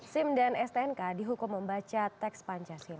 sim dan stnk dihukum membaca teks pancasila